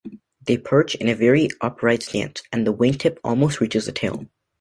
They perch in a very upright stance and the wingtip almost reaches the tail.